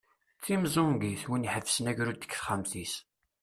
D timezzungit, win iḥebbsen agrud deg texxamt-is.